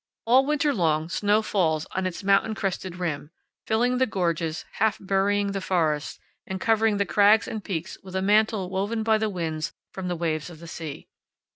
All winter long snow falls on its mountain crested rim, filling the gorges, half burying the forests, and covering the crags and peaks with a mantle woven by the winds from the waves of the sea.